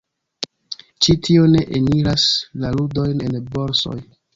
Ĉi tio ne eniras la ludojn en borsoj.